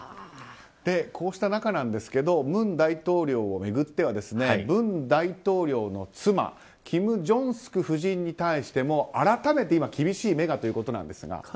こうした中なんですが文大統領を巡っては文大統領の妻キム・ジョンスク夫人に対しても改めて厳しい目がということなんですが。